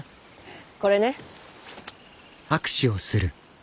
これね。